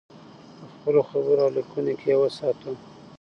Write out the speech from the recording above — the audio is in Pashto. په خپلو خبرو او لیکنو کې یې وساتو.